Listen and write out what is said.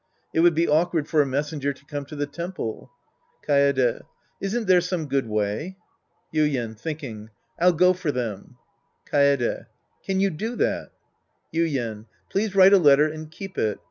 It would be awkward for a messenger to come to the tem.ple. Kaede. Isn't there some good way ? Yuien {thinking). I'll go for them. Kaede. Can you do that ? Yuien. Please write a letter and keep it.